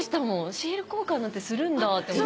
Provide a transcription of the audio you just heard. シール交換なんてするんだって思って。